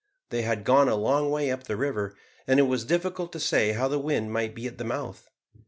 They had gone a long way up the river, and it was difficult to say how the wind might be at the mouth.